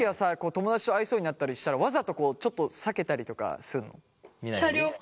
友だちと会いそうになったりしたらわざとこうちょっと避けたりとかするの？